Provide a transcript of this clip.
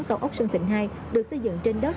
cầu ốc sơn thịnh hai được xây dựng trên đất